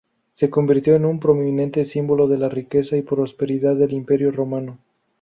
Se convirtió en un prominente símbolo de la riqueza y prosperidad del Imperio romano.